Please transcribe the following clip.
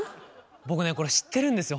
僕ねこれ知ってるんですよ